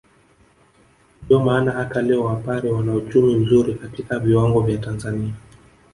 Ndio maana hata leo wapare wana uchumi mzuri katika viwango vya Tanzania